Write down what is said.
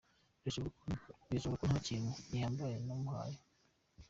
Birashoboka ko nta kintu gihambaye namuhaye.